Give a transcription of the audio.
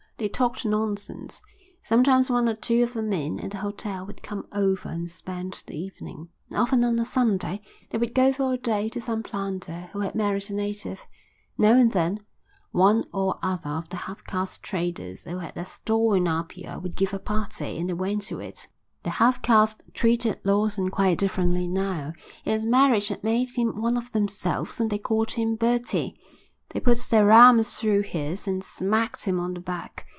They talked nonsense. Sometimes one or two of the men at the hotel would come over and spend the evening, and often on a Sunday they would go for a day to some planter who had married a native; now and then one or other of the half caste traders who had a store in Apia would give a party and they went to it. The half castes treated Lawson quite differently now. His marriage had made him one of themselves and they called him Bertie. They put their arms through his and smacked him on the back.